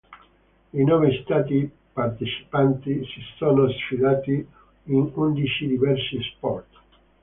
I nove Stati partecipanti si sono sfidati in undici diversi sport.